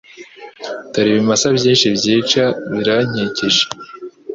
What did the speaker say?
Dore ibimasa byinshi byica birankikije